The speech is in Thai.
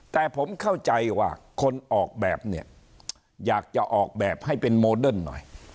แต่ผมเข้าใจว่าคนออกแบบเนี่ยอยากจะออกแบบให้เป็นโมเดิร์นหน่อย